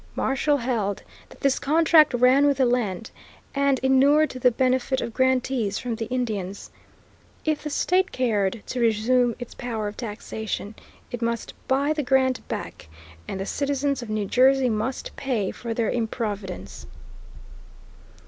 Marshall held that this contract ran with the land, and inured to the benefit of grantees from the Indians. If the state cared to resume its power of taxation, it must buy the grant back, and the citizens of New Jersey must pay for their improvidence.